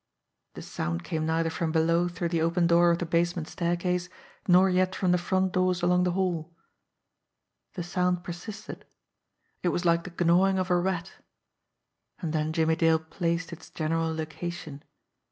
The sound came neither from below through the open door of the basement staircase, nor yet from the front doors along the hall. The sound persisted. It was like the gnaw ing of a rat. And then Jimmie Dale placed its general loca tion.